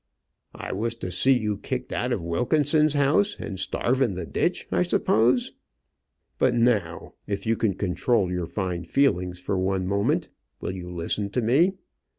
"I was to see you kicked out of Wilkinson's house and starve in the ditch, I suppose? But now, if you can control your fine feelings for one moment, will you listen to me?